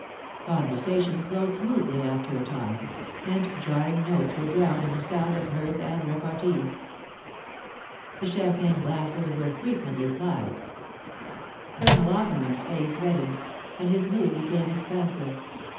Conversation flowed smoothly after a time, and jarring notes were drowned in the sound of mirth and repartee. The champagne glasses were frequently plied. Colonel Augmering's face reddened, and his mood became expan sive.